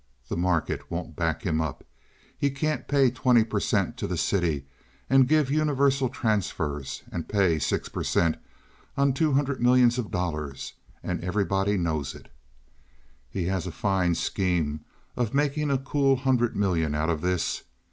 The market won't back him up. He can't pay twenty per cent. to the city and give universal transfers and pay six per cent. on two hundred million dollars, and everybody knows it. He has a fine scheme of making a cool hundred million out of this.